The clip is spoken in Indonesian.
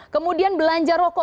kemudian belanja rokok